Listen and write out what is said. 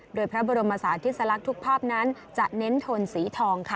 โดยพระบรมศาสติสลักษณ์ทุกภาพนั้นจะเน้นโทนสีทองค่ะ